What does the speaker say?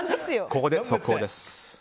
ここで速報です。